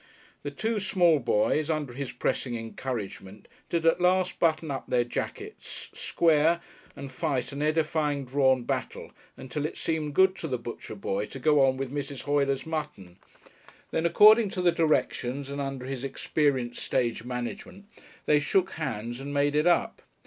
The two small boys under his pressing encouragement did at last button up their jackets, square and fight an edifying drawn battle, until it seemed good to the butcher boy to go on with Mrs. Holyer's mutton. Then, according to his directions and under his experienced stage management, they shook hands and made it up.